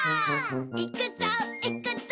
「いくぞいくぞ」